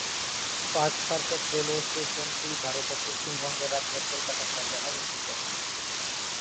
Park Circus railway স্টেশনটি ভারতের পশ্চিমবঙ্গ রাজ্যের কলকাতা শহরে অবস্থিত।